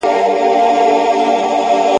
تعليم یافته مور کورنۍ ته د پوهي دروازه پرانیزي.